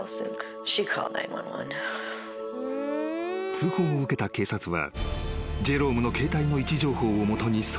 ［通報を受けた警察はジェロームの携帯の位置情報を基に捜索］